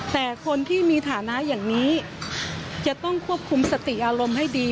แต่คนที่มีฐานะอย่างนี้จะต้องควบคุมสติอารมณ์ให้ดี